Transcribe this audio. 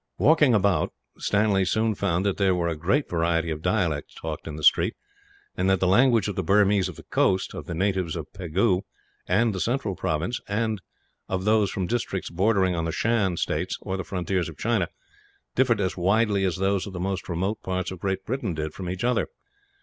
Walking about, Stanley soon found that there were a great variety of dialects talked in the streets, and that the language of the Burmese of the coast, of the natives of Pegu and the central province, and of those from districts bordering on the Shan states or the frontiers of China, differed as widely as those of the most remote parts of Great Britain did from each other.